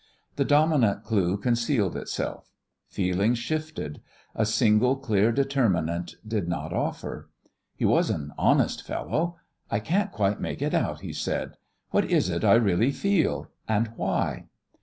The dominant clue concealed itself. Feelings shifted. A single, clear determinant did not offer. He was an honest fellow. "I can't quite make it out," he said. "What is it I really feel? And why?"